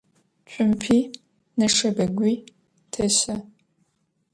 Цумпи нэшэбэгуи тэщэ.